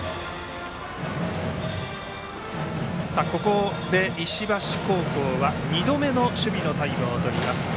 ここで石橋高校は２度目の守備のタイムをとります。